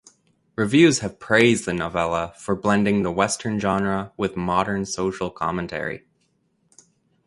Reviews have praised the novella for blending the Western genre with modern social commentary.